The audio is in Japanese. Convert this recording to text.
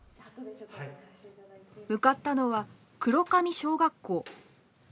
向かったのは黒神小学校。